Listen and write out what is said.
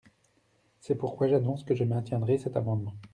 C’est pourquoi j’annonce que je maintiendrai cet amendement.